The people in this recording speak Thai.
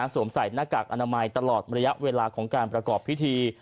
สวมใส่หน้ากากอนามัยตลอดระยะเวลาของการประกอบพิธี